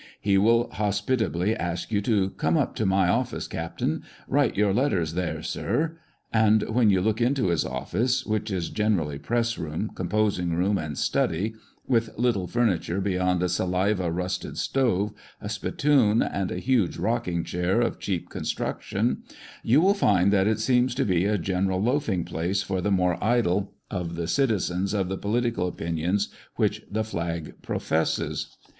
He will hospitably ask you to " come up to my office, Cap. ; write your letters there, sir;" and when you look into his office, which is generally press room, composing room, and study, with little furniture beyond a saliva rusted stove, a spittoon, and a huge rocking chair of cheap construction, you will find that it seems to be a general loafing place for the more idle of the citizens of the political opinions which the "Flag" professes.